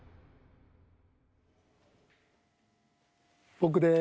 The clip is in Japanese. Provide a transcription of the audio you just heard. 僕です。